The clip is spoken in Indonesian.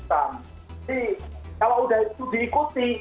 tapi memang yang harus diperhatikan kemarin